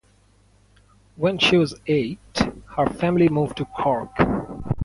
When she was eight her family moved to Cork.